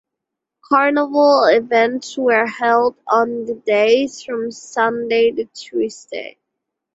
Carnival events were held on the days from Sunday to Tuesday.